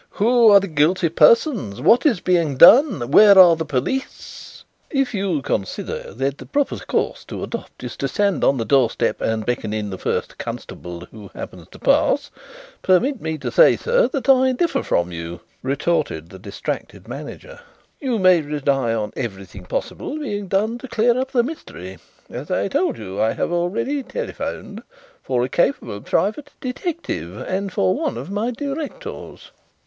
Who are the guilty persons? What is being done? Where are the police?" "If you consider that the proper course to adopt is to stand on the doorstep and beckon in the first constable who happens to pass, permit me to say, sir, that I differ from you," retorted the distracted manager. "You may rely on everything possible being done to clear up the mystery. As I told you, I have already telephoned for a capable private detective and for one of my directors."